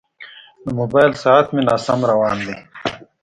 د موبایل ساعت مې ناسم روان دی.